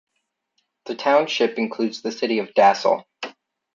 The township includes the city of Dassel.